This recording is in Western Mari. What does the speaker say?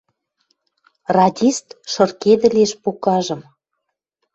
Радист шыркедӹлеш покажым: